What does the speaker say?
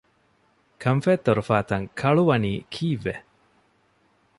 ކަންފަތް ތޮރުފާ ތަން ކަޅުވަނީ ކީއްވެ؟